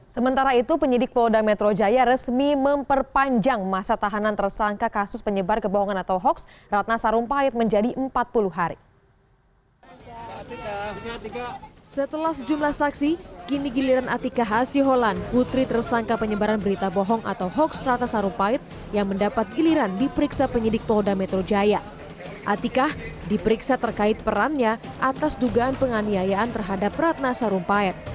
sementara itu penyidik polda metro jaya resmi memperpanjang masa tahanan tersangka kasus penyebar kebohongan atau hoaks ratna sarumpait menjadi empat puluh hari